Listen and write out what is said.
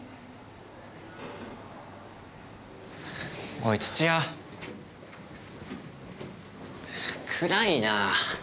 ・おい土谷・暗いなぁ。